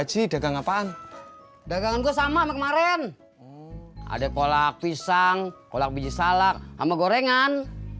haji dagang apaan dagang gue sama kemarin ada kolak pisang kolak biji salak sama gorengan